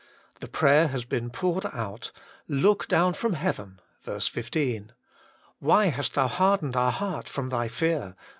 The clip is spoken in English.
The prayer has heen poured out, ' Look down from heaven' (ver. 15). * Why hast Thou hardened our heart from Thy fear